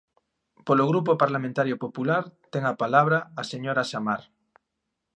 Polo Grupo Parlamentario Popular, ten a palabra a señora Samar.